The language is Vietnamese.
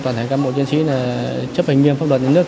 toàn thể cán bộ chiến sĩ chấp hình nghiêm pháp luật đến nước